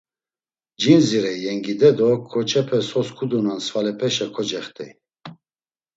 Cindzirey yengide do ǩoçepe so sǩudunan svalepeşa kocext̆ey.